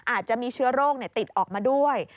อาจจะมีเชื้อโรคติดออกมาด้วย